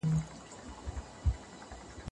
ته راته غلې غلې ګوره